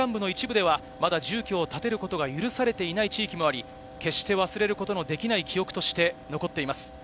平野部の一部ではまだ住居を建てることが許されてない地域もあり、決して忘れることのできない記憶として残っています。